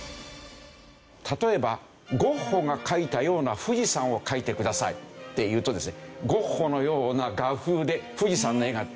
例えばゴッホが描いたような富士山を描いてくださいって言うとですねゴッホのような画風で富士山の絵ができると。